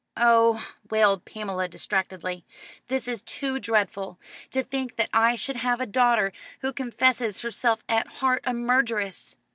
"Oh," wailed Pamela distractedly, "this is too dreadful! To think that I should have a daughter who confesses herself at heart a murderess."